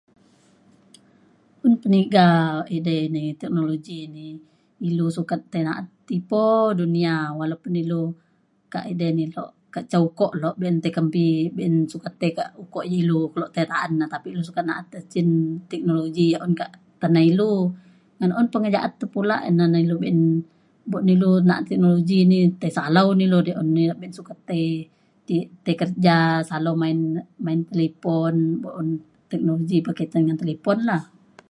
Un peniga edai ini teknologi ini ilu sukat tai na'at tipo dunia walaupun ilu ka edai ni luk ke ca ukok lok bein tai kempi bein sukat tai ke ukuk je ilu keluk ilu tai taan na tapi ilu sukat na'at e cin teknologi ja un ke tena ilu Ngan un pengejaat te pula, ne na ilu bein bok nilu naat teknologi ini tai salau ne ilu de un bein sukat tai t tai kerja salau main main telipun bo un teknologi berkaitan ngan telipun la.